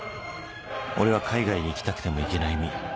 俺は海外に行きたくても行けない身。